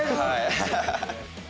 ハハハハ！